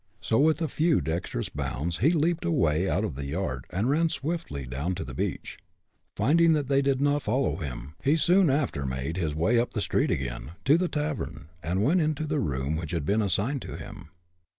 So with a few dextrous bounds he leaped away out of the yard, and ran swiftly down to the beach. Finding that they did not follow him, he soon after made his way up the street again, to the tavern, and went to the room which had been assigned him.